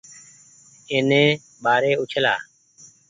اي ني ٻآري اُڇلآ۔